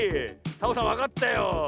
サボさんわかったよ。